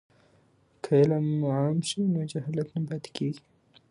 که علم عام شي نو جهالت نه پاتې کیږي.